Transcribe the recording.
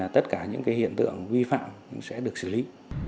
tất cả những cái hiện tượng vi phạm sẽ được xử lý